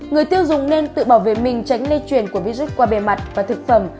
người tiêu dùng nên tự bảo vệ mình tránh lây chuyển của virus qua bề mặt và thực phẩm